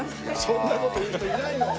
そんな事言う人いないもん。